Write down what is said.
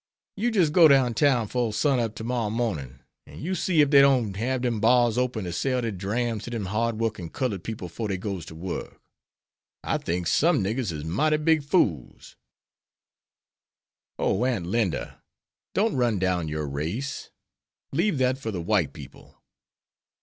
You jis' go down town 'fore sun up to morrer mornin' an' you see ef dey don't hab dem bars open to sell dere drams to dem hard workin' culled people 'fore dey goes ter work. I thinks some niggers is mighty big fools." "Oh, Aunt Linda, don't run down your race. Leave that for the white people."